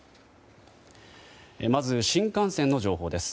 まず、新幹線の情報です。